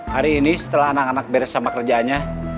hari ini setelah anak anak beres sama kerjanya